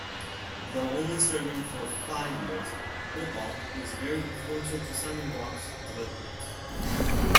Though only serving for five years, Whitlock was very influential to Simon's Rock's development.